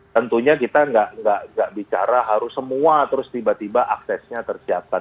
tentunya kita tidak bicara harus semua terus tiba tiba aksesnya tersiapkan